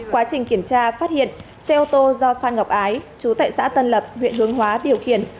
quá trình kiểm tra phát hiện xe ô tô do phan ngọc ái chú tại xã tân lập huyện hướng hóa điều khiển